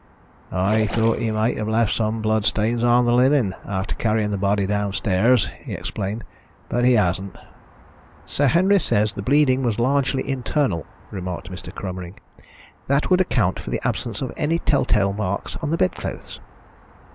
"I thought he might have left some blood stains on the linen, after carrying the body downstairs," he explained. "But he hasn't." "Sir Henry says the bleeding was largely internal," remarked Mr. Cromering. "That would account for the absence of any tell tale marks on the bed clothes."